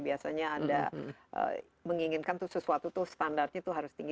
biasanya ada menginginkan sesuatu itu standarnya harus tinggi